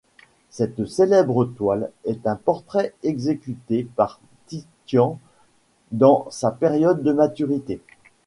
Cette célèbre toile est un portrait exécuté par Titien dans sa période de maturité.